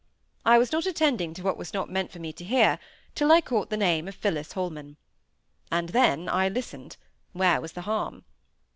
I was not attending to what was not meant for me to hear, till I caught the name of Phillis Holman. And then I listened; where was the harm?